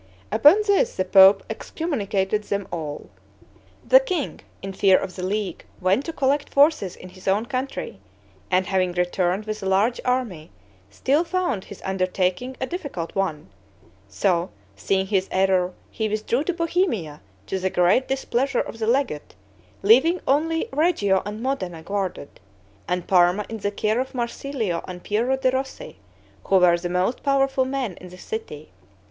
Upon this the pope excommunicated them all. The king, in fear of the league, went to collect forces in his own country, and having returned with a large army, still found his undertaking a difficult one; so, seeing his error, he withdrew to Bohemia, to the great displeasure of the legate, leaving only Reggio and Modena guarded, and Parma in the care of Marsilio and Piero de' Rossi, who were the most powerful men in the city.